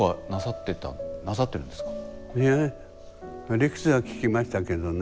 理屈は聞きましたけどね。